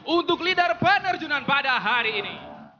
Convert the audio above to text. untuk leader penerjunan pada hari ini